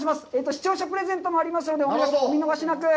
視聴者プレゼントもありますので、お見逃しなく。